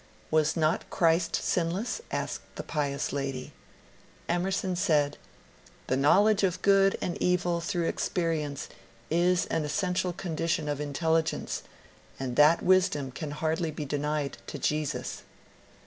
" Was not Christ sinless?" asked the pious lady. Emerson said, ^'The knowledge of good and evil through experience is an essential condition of intelligence, and that wisdom can hardly be de nied to Jesus."